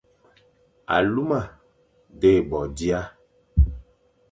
Aluma dé bo dia,